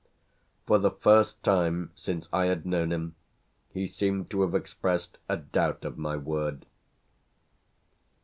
For the first time since I had known him he seemed to have expressed a doubt of my word.